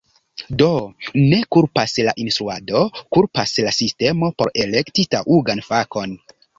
Do, ne kulpas la instruado; kulpas la sistemo por elekti taŭgan fakon.